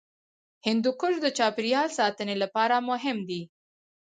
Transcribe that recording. هندوکش د چاپیریال ساتنې لپاره مهم دی.